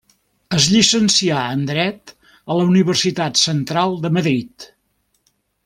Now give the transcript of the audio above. Es llicencià en dret a la Universitat Central de Madrid.